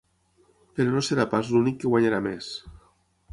Però no serà pas l’únic que guanyarà més.